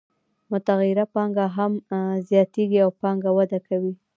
متغیره پانګه هم زیاتېږي او پانګه وده کوي